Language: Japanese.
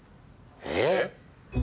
えっ？